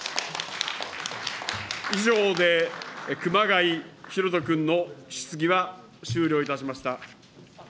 以上で熊谷裕人君の質疑は終了いたしました。